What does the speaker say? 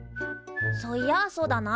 そういやあそうだな。